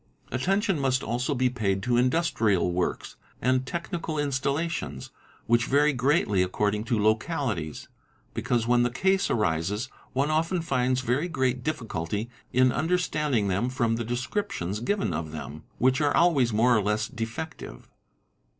Attention must also be paid to industrial works and technical instal — lations, which vary greatly according to localities; because, when the case arises, one often finds very great difficulty in understanding them from the descriptions given of them, which are always more or less defective.